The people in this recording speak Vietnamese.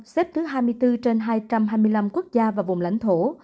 xếp thứ hai mươi bốn trên hai trăm hai mươi năm quốc gia và vùng lãnh thổ